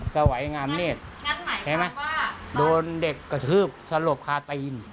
สวัสดีงามเนตโดนเด็กกระทืบสลบคาตีน